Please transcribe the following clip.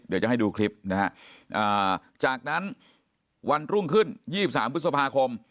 เดี๋ยวจะให้ดูคลิปนะฮะจากนั้นวันรุ่งขึ้น๒๓พฤษภาคม